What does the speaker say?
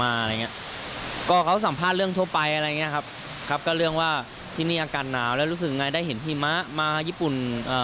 แล้วก็เขาสัมภาษณ์เรื่องทั่วไปเล่าแล้วรู้สึกอะไรที่หิมะมาย้ีปุ่น